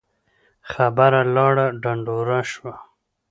خبره لاړه ډنډوره شوه.